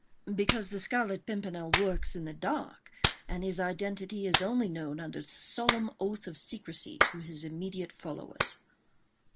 "Because the Scarlet Pimpernel works in the dark, and his identity is only known under a solemn oath of secrecy to his immediate followers."